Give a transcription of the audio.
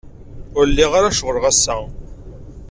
Ur lliɣ ara ceɣleɣ ass-a.